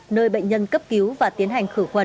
nơi bệnh nhân cấp cứu và tiến hành khử khuẩn